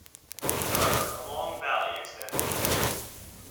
However, a long valley extends inland.